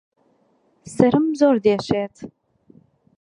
سەرم زۆر دێشێت